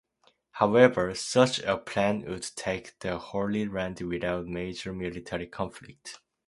However, such a plan would take the Holy Land without major military conflict.